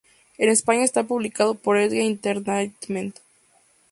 En España está publicado por Edge Entertainment.